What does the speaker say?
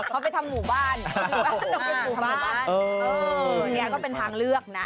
เขาไปทำหมู่บ้านอ่ออ่อคนนี้ก็เป็นทางเลือกน่ะ